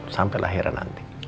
sampai lahiran nanti